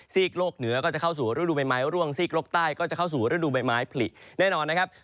กโลกเหนือก็จะเข้าสู่ฤดูใบไม้ร่วงซีกโลกใต้ก็จะเข้าสู่ฤดูใบไม้ผลิแน่นอนนะครับ